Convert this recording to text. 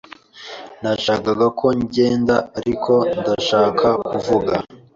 Ntashaka ko ngenda, ariko ndashaka kuvuga.